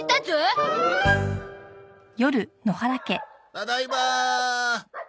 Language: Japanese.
ただいま。